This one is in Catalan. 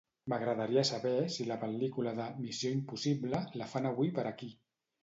M'agradaria saber si la pel·lícula de "Missió impossible" la fan avui per aquí.